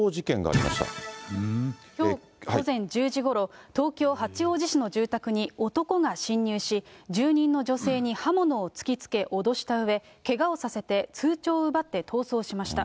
きょう午前１０時ごろ、東京・八王子市の住宅に男が侵入し、住人の女性に刃物を突きつけ脅したうえ、けがをさせて通帳を奪って逃走しました。